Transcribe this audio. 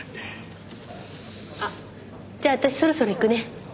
あっじゃあ私そろそろ行くね。